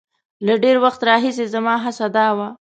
له ډېر وخت راهیسې زما هڅه دا وه.